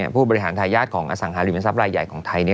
ผู้บริหารทายาทของอสังหาริมทรัพย์รายใหญ่ของไทย